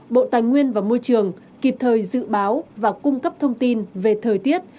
bộ tài nguyên và môi trường kịp thời dự báo và cung cấp thông tin về thời tiết